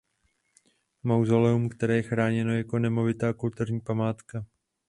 Mauzoleum které je chráněno jako nemovitá kulturní památka.